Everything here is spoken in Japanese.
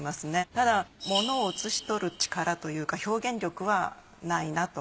ただ物を写しとる力というか表現力はないなと。